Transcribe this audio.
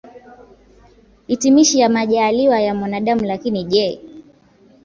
hitimishi ya majaaliwa ya mwanadamu Lakini je